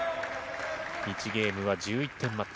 １ゲームは１１点マッチ。